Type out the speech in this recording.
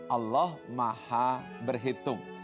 allah maha berhitung